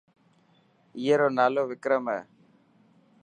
اي رو نالو وڪرم هي.